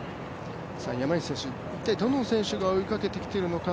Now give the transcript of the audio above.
山西選手、一体どの選手が追いかけてきているのか